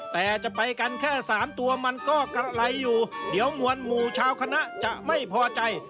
แต่จะไปกันแค่สามตัวมันก็ไหลอยู่เดี๋ยวมวลหมู่ชาวคณะจะไม่พอใจ